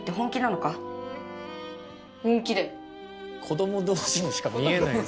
子供同士にしか見えないんですよ。